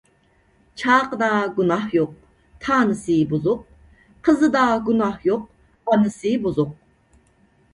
چاقىدا گۇناھ يوق، تانىسى بۇزۇق. قىزىدا گۇناھ يوق، ئانىسى بۇزۇق.